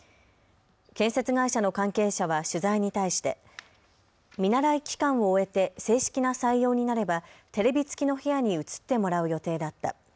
建設会社の関係者は取材に対して見習い期間を終えて正式な採用になればテレビ付きの部屋に移ってもらう予定だった。